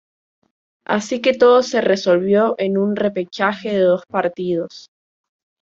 Así que todo se resolvió en un repechaje de dos partidos.